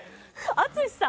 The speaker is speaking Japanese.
淳さん？